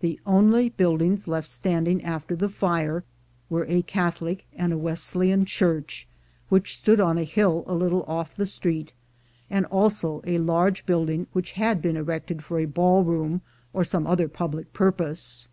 The only buildings left standing after the fire vrere a Catholic and a Wesleyan church, w^hich stood on the hill a little off the street, and also a large build ing which had been erected for a ball room, or some other public purpose.